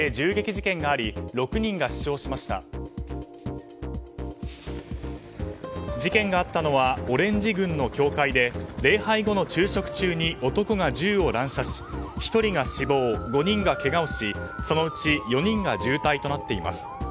事件があったのはオレンジ郡の教会で礼拝後の昼食中に男が銃を乱射し１人が死亡、５人がけがをしそのうち４人が重体となっています。